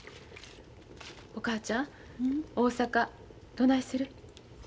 お母ちゃん大阪どないする？